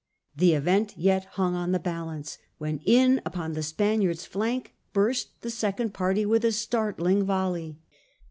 The event yet hung on the balance, when in upon the Spaniards' flank burst the second party with a startling volley.